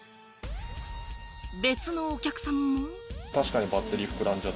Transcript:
別のお客さんも。